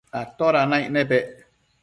atoda naic nepec